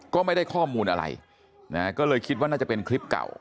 ก็ไม่ได้ข้อมูลอะไรนะฮะก็เลยคิดว่าน่าจะเป็นคลิปเก่า